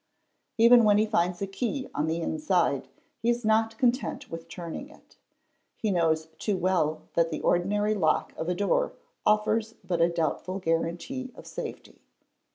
Even when he finds a key on the inside he is not content with turning it. He knows too well that the ordinary lock of a door offers but a doubtful guarantee of safety.